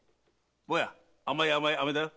坊や甘い甘い飴だよ。